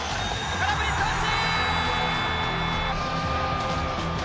空振り三振！